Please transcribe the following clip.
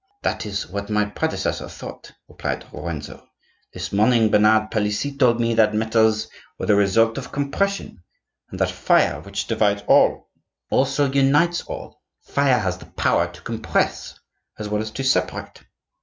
'That is what my predecessor thought,' replied Lorenzo. 'This morning Bernard Palissy told me that metals were the result of compression, and that fire, which divides all, also unites all; fire has the power to compress as well as to separate.